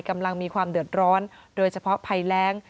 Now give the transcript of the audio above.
กำลังมีความเดือดร้อนโดยเฉพาะภัยแรง